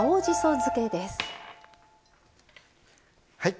はい。